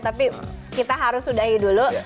tapi kita harus sudahi dulu